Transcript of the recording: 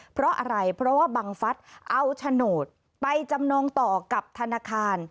เพราะอะไรเพราะว่าบังฟัสเอาโฉนดไปจำนองต่อกับธนาคาร